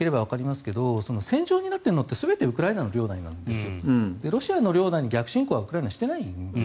今、マップを見てもらえればわかりますが戦場になっているのって全てウクライナの領内なんですよ。